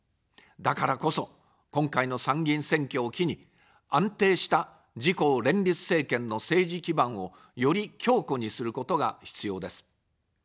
だからこそ、今回の参議院選挙を機に、安定した自公連立政権の政治基盤をより強固にすることが必要です。